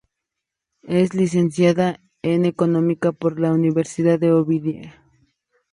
Es licenciada en Económicas por la Universidad de Oviedo.